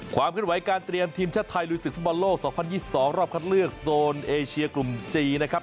ความขึ้นไหวการเตรียมทีมชาติไทยลุยศึกฟุตบอลโลก๒๐๒๒รอบคัดเลือกโซนเอเชียกลุ่มจีนนะครับ